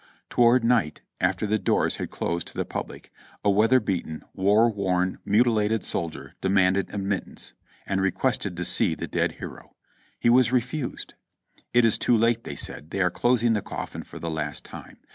Toward night, after the doors had closed to the public, a weather beaten, war worn, mutilated soldier demanded admittance, and requested to see the dead hero. He was refused. "It is too late," they said ; "they are closing the cofiin for the last time."